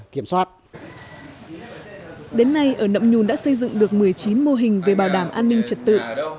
đến nay ở nậm nhùn đã xây dựng được một mươi chín mô hình về bảo đảm an ninh trật tự